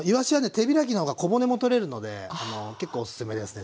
手開きの方が小骨も取れるので結構おすすめですね